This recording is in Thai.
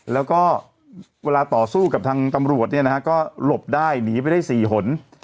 แล้วก็เวลาต่อสู้กับทางตำรวจเนี่ยนะฮะก็หลบได้หนีไปได้๔หน